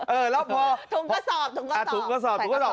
เออแล้วพอถุงกระสอบถุงกระสอบถุงกระสอบถุงกระสอบ